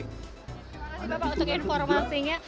terima kasih bapak untuk informasinya